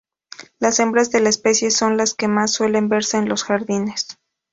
Las hembras de la especie son las que más suelen verse en los jardines.